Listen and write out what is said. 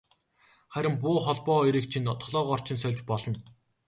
Харин буу холбоо хоёрыг чинь толгойгоор чинь сольж болно.